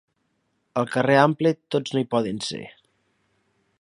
Al carrer ample tots no hi poden ser.